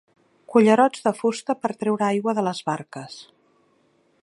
Cullerots de fusta per treure aigua de les barques.